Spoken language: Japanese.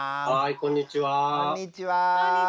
こんにちは。